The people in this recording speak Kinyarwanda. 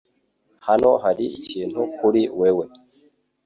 Hano hari ikintu kuri wewe .